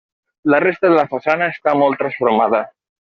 La resta de la façana està molt transformada.